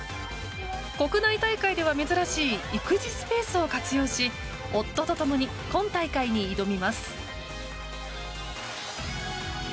国内大会では珍しい育児スペースを活用し夫と共に今大会に挑みます。